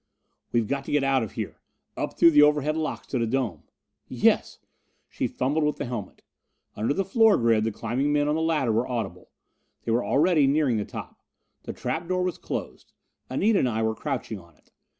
"We've got to get out of here! Up through the overhead locks to the dome." "Yes " She fumbled with the helmet. Under the floor grid the climbing men on the ladder were audible. They were already nearing the top. The trap door was closed: Anita and I were crouching on it.